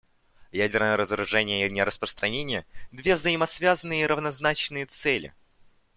Ядерное разоружение и нераспространение — две взаимосвязанные и равнозначные цели.